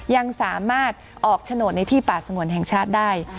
ยังสามารถออกโฉนดในที่ป่าสงวนแห่งชาติได้